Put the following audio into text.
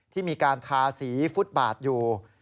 ที่มีการทาสีฟุตบาทอยู่